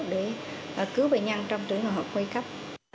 để cứu bệnh nhân trong trường hợp khuây cấp